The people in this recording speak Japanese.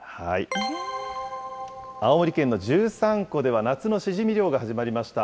青森県の十三湖では、夏のシジミ漁が始まりました。